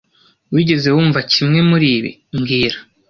Wigeze wumva kimwe muri ibi mbwira